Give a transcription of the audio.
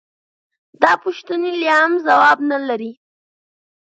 دا پوښتنې لا هم ځواب نه لري.